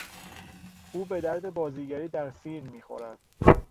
او به درد بازیگری در فیلم میخورد.